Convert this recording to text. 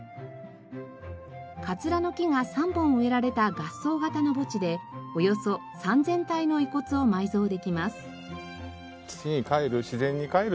カツラの木が３本植えられた合葬型の墓地でおよそ３０００体の遺骨を埋蔵できます。